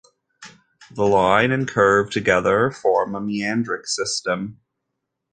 The line and curve together form a meandric system.